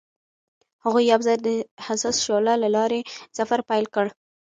هغوی یوځای د حساس شعله له لارې سفر پیل کړ.